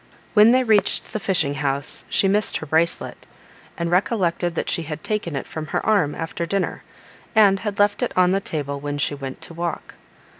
When they reached the fishing house she missed her bracelet, and recollected that she had taken it from her arm after dinner, and had left it on the table when she went to walk.